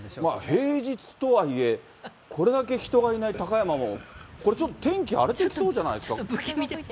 平日とはいえ、これだけ人がいない高山も、これちょっと、天気荒れてきそうじゃないですか？